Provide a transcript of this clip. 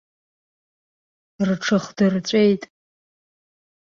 Рҽыхдырҵәеит.